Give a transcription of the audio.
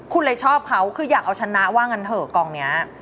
คุณเลยชอบเขาคืออยากเอาชนะว่างั้นเถอะกองนี้